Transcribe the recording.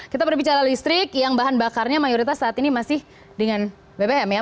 kita berbicara listrik yang bahan bakarnya mayoritas saat ini masih dengan bbm ya